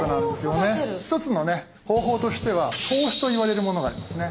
一つのね方法としては投資といわれるものがありますね。